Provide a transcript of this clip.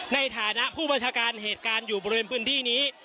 ในฐานะผู้บัญชาการเหตุการณ์อยู่บริเวณพื้นที่นี้